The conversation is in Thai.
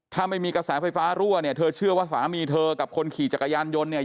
ถ้าไม่มีกระแสไฟฟ้ารั่วเนี่ยเธอเชื่อว่าสามีเธอกับคนขี่จักรยานยนต์เนี่ย